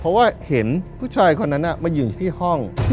เพราะว่าเห็นผู้ชายคนนั้นมายืนที่ห้อง